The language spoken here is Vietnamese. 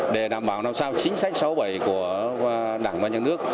để đảm bảo làm sao chính sách sáu bảy của đảng và nhà nước